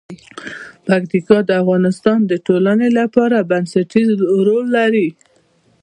پکتیکا د افغانستان د ټولنې لپاره بنسټيز رول لري.